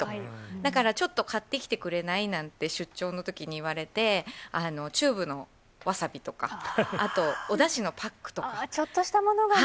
だからちょっと買ってきてくれない、なんて出張のときに言われて、チューブのわさびとか、あと、おだしのパックとか。ちょっとしたものがね。